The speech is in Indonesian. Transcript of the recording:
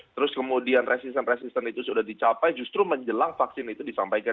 terus kemudian resisten resisten itu sudah dicapai justru menjelang vaksin itu disampaikan